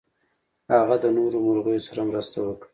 هغه د نورو مرغیو سره مرسته وکړه.